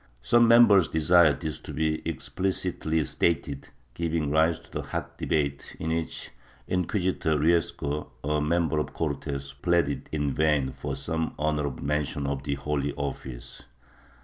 Some members desired this to be explicitly stated, giving rise to a hot debate in which Inquisitor Riesco, a member of the Cortes, pleaded in vain for some honorable mention of the Holy Office.